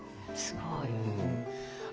すごい。